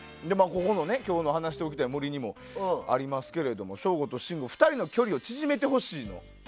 今日の話しておきたい森の中にもありますがありますけれども省吾と信五の２人の距離を縮めてほしいの。